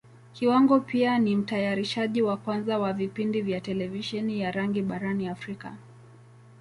Kiwango pia ni Mtayarishaji wa kwanza wa vipindi vya Televisheni ya rangi barani Africa.